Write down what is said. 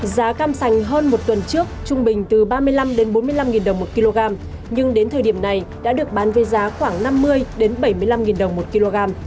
giá cam sành hơn một tuần trước trung bình từ ba mươi năm bốn mươi năm đồng một kg nhưng đến thời điểm này đã được bán với giá khoảng năm mươi bảy mươi năm đồng một kg